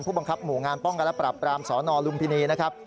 บังคับหมู่งานป้องกันและปรับปรามสนลุมพินีนะครับ